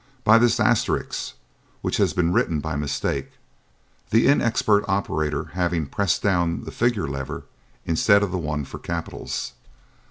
"By this asterisk, which has been written by mistake, the inexpert operator having pressed down the figure lever instead of the one for capitals.